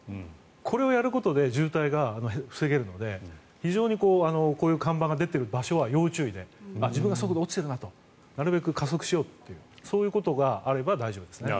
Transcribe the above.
これをやると渋滞が防げるので、非常にこういう看板が出てる場所は要注意で自分が速度落ちてるなとなるべく加速しようとそういうことがあれば大丈夫です。